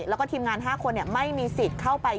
แล้วก็ทีมงาน๕คนไม่มีสิทธิ์เข้าไป